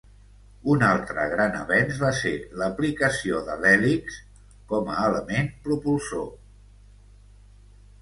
Un altre gran avenç va ser l'aplicació de l'hèlix com a element propulsor.